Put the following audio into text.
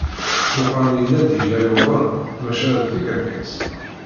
Meqqran yenna-d yella yuḍen, maca d tikerkas.